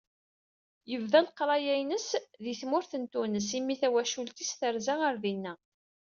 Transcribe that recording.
Yebda leqraya-ines di tmurt n Tunes, imi tawacult-is terza ɣer dinna.